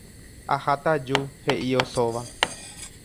Aháta aju, he'i osóva.